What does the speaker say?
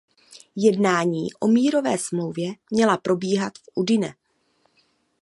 Jednání o mírové smlouvě měla probíhat v Udine.